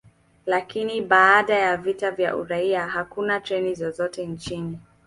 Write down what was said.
Lakini baada ya vita vya uraia, hakuna treni zozote nchini.